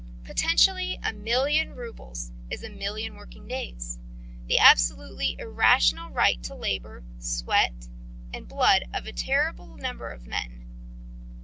Potentially a million rubles is a million working days, the absolutely irrational right to labour, sweat, life, and blood of a terrible number of men.